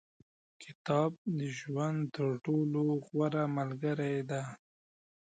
• کتاب، د ژوند تر ټولو غوره ملګری دی.